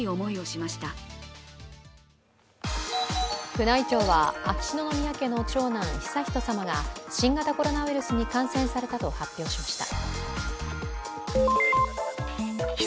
宮内庁は秋篠宮家の長男・悠仁さまが新型コロナウイルスに感染されたと発表しました。